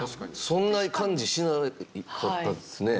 そんな感じしなかったですね。